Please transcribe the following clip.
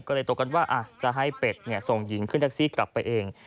ก็เลยตกกันว่าจะให้เป็ดส่งหญิงขึ้นแท็กซี่กลับไปเอง